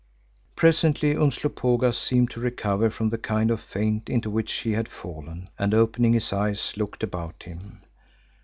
Presently Umslopogaas seemed to recover from the kind of faint into which he had fallen and opening his eyes, looked about him.